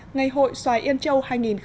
ngày hội xoài yên châu hai nghìn một mươi chín